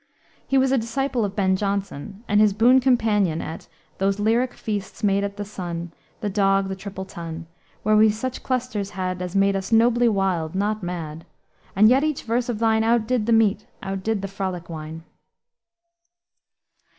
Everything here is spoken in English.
He was a disciple of Ben Jonson and his boon companion at ... "those lyric feasts Made at the Sun, The Dog, the Triple Tun; Where we such clusters had As made us nobly wild, not mad. And yet each verse of thine Outdid the meat, outdid the frolic wine."